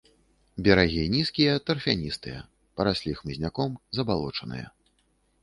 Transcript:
Берагі нізкія тарфяністыя, параслі хмызняком, забалочаныя.